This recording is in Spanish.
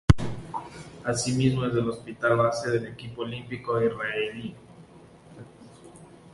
Asimismo es el hospital base del equipo olímpico israelí.